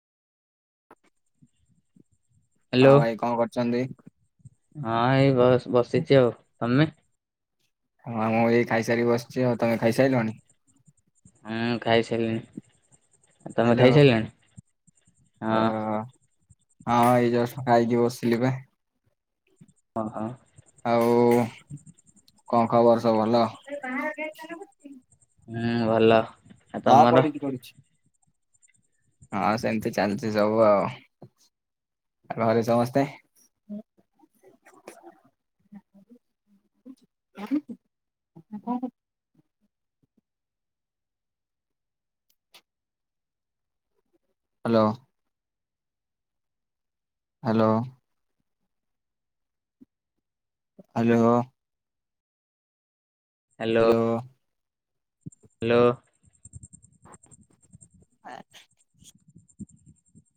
Hello ହଁ ଭାଇ କଣ କରୁଛନ୍ତି? ହଁ ଏଇ ଘ ବସିଛି ଆଉ ତମେ? ହଁ ମୁଁ ଏଇ ଖାଇସାରି ବସିଛି ଆଉ ତମେ ଖାଇ ସାଇଲଣି? ହଁ ଖାଇ ସାରିଲିଣି ତମେ ହ୍ୟାଲୋ ଖାଇ ସାରିଲାଣି ଅ ହଁ। ହଁ ଏଇ ଜଷ୍ଟ ଖାଇକି ବସିଲି ବା। ହଁ ହଁ। ଆଉ କଣ ଖବର ସବୁ ଭଲ? [unintelligible] ହୁଁ ଭଲ। ହଁ ତମର ପଡ଼ିଛି ପଡ଼ିଛି। ହଁ ସେମିତି ଚାଲିଛି ସବୁ ଆଉ। ଘରେ ସମସ୍ତେ? [unintelligible] Hello. Hello. Hello. Hello hello. ଆ